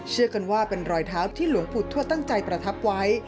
เชื่อกันว่าเป็นรอยเท้าที่หลวงปู่ทวดตั้งใจประทับไว้